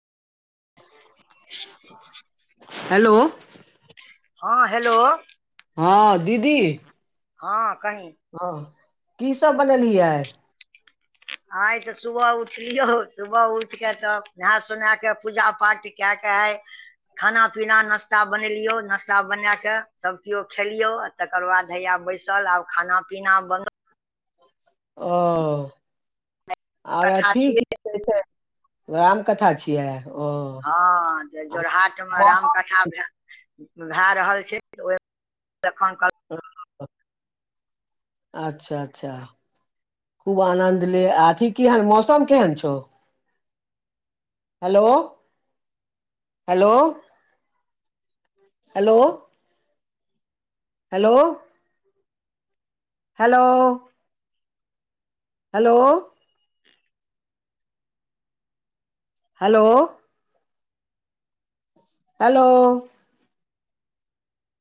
हलो हँ हेलो हँ दीदी हँ कहीँ हँ की सब बनेलिहि आइ आय तऽ सुबह उठलियौ सुबह उठि कऽ तब नहा सोना के पूजा पाठ कए के आय खाना पीना नस्ता बनेलियौ नस्ता बना क सभ किओ खेलियौ तकर बाद हैया बैसल आब खाना पीना बन्द ओ आर कथा अथिक छियै [inaudible] रामकथा छै क्या ओ हँ तऽ आ जोरहाट में मौसम रामकथा भेल भए रहल छै [inaudible] जखन ओ अच्छा अच्छा खूब आनन्द ले आ ठीक अथीहन मौसम केहन छौ hello hello hello hello hello hello hello hello